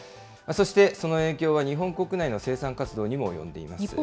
そしてその影響は日本国内の生産活動にも及んでいます。